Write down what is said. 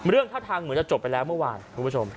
ท่าทางเหมือนจะจบไปแล้วเมื่อวานคุณผู้ชม